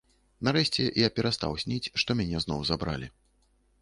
Нарэшце я перастаў сніць, што мяне зноў забралі.